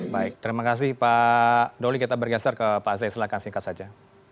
baik terima kasih pak dolly kita bergeser ke pak azai silakan singkat saja